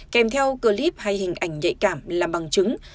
kèm theo clip hay hình ảnh nhạy cảm là bằng chứng